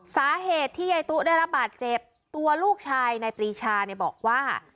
สาเหตุที่ยายตุ๊ได้รับบาดเจ็บตัวลูกชายนายปรีชาเนี่ยบอกว่า